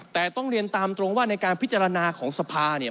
แต่ต้องเรียนตามตรงว่าในการพิจารณาของสภาเนี่ย